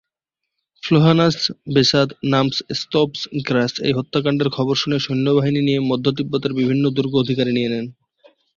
ফো-ল্হা-নাস-ব্সোদ-নাম্স-স্তোব্স-র্গ্যাস এই হত্যাকান্ডের খবর শুনে সৈন্যবাহিনী নিয়ে মধ্য তিব্বতের বিভিন্ন দুর্গ অধিকারে নিয়ে নেন।